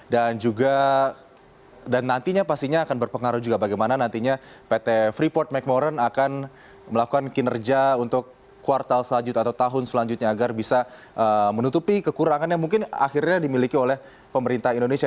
dan juga dan nantinya pastinya akan berpengaruh juga bagaimana nantinya pt freeport mcmoran akan melakukan kinerja untuk kuartal selanjutnya atau tahun selanjutnya agar bisa menutupi kekurangan yang mungkin akhirnya dimiliki oleh pemerintah indonesia